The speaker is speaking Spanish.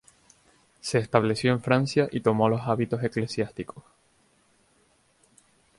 Se estableció en Francia y tomó los hábitos eclesiásticos.